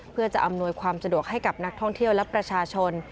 เพื่อจะอำนวยความสะดวกให้กับนักท่องเที่ยวและประชาชน